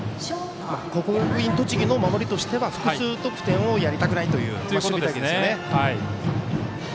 国学院栃木の守りとしては複数得点をやりたくないという守備隊形ですよね。